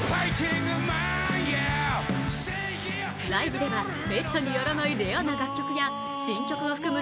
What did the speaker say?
ライブではめったにやらないレアな楽曲や新曲を含む